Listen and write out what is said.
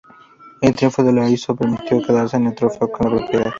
El triunfo de la Lazio le permitió quedarse con el trofeo en propiedad.